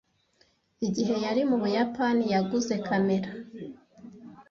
Igihe yari mu Buyapani, yaguze kamera.